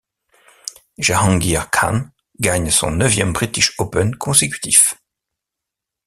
Jahangir Khan gagne son neuvième British Open consécutif.